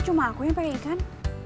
cuma aku yang pengen ikan